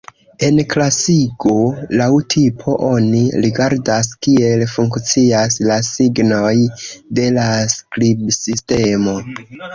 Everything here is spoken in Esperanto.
En klasigo laŭ tipo oni rigardas, kiel funkcias la signoj de la skribsistemo.